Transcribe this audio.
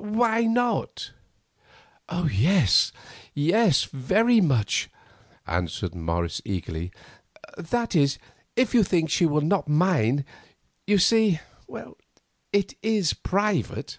Why not?" "Yes, yes, very much," answered Morris eagerly. "That is, if you think she will not mind. You see, it is private."